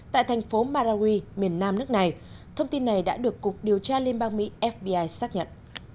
tại thành phố marawi miền nam nước này thông tin này đã được cục điều tra liên bang mỹ fbi xác nhận